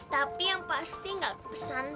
tapi yang pasti gak kepesan